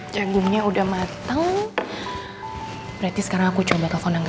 jadinya udah matang berarti sekarang aku coba telepon lagi aja